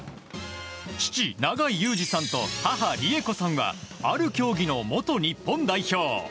父・祐司さんと母・理重子さんはある競技の元日本代表。